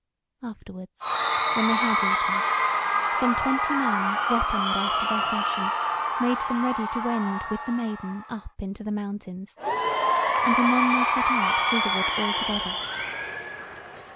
Afterwards, when they had eaten, some twenty men, weaponed after their fashion, made them ready to wend with the Maiden up into the mountains, and anon they set out thitherward all together.